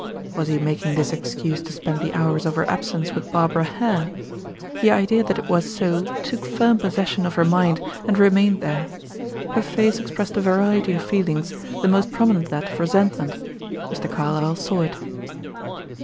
Was he making this excuse to spend the hours of her absence with Barbara Hare? The idea that it was so took firm possession of her mind, and remained there. Her face expressed a variety of feelings, the most prominent that of resentment. Mr. Carlyle saw it.